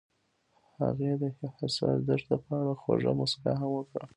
هغې د حساس دښته په اړه خوږه موسکا هم وکړه.